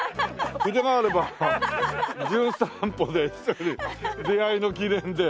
筆があれば『じゅん散歩』で出会いの記念で。